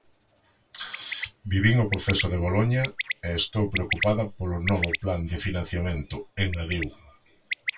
Vivín o proceso de Boloña e estou preocupada polo novo plan de financiamento, engadiu.